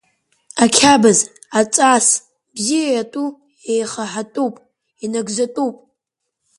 Ақьабз, аҵас бзиа иатәу еихаҳатәуп, инагӡатәуп.